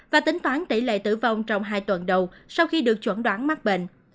và tính toán tỷ lệ tử vong trong hai tuần đầu sau khi được chuẩn đoán mắc bệnh